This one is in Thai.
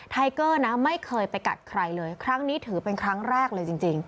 ไกเกอร์นะไม่เคยไปกัดใครเลยครั้งนี้ถือเป็นครั้งแรกเลยจริง